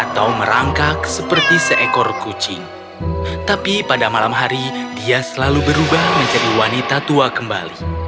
tapi pada malam hari dia selalu berubah menjadi wanita tua kembali